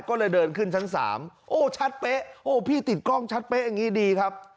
ก็เลยเดินขึ้นชั้น๓โอ้ชัดเป๊ะโอ้พี่ติดกล้องชัดเป๊ะอย่างนี้ดีครับ